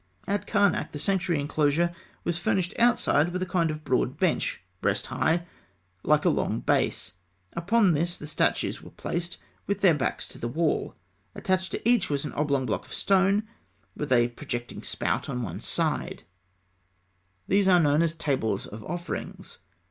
At Karnak, the sanctuary enclosure was furnished outside with a kind of broad bench, breast high, like a long base. Upon this the statues were placed, with their backs to the wall. Attached to each was an oblong block of stone, with a projecting spout on one side; these are known as "tables of offerings" (fig.